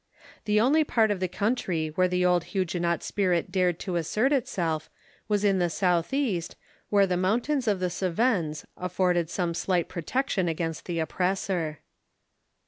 The only part of the coun try where the old Huguenot spirit dared to assert itself was in the southeast, where the mountains of the Cevennes afford ed some slight protection against the oppressor.